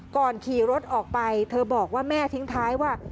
ขี่รถออกไปเธอบอกว่าแม่ทิ้งท้ายว่า